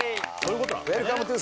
ウェルカムトゥ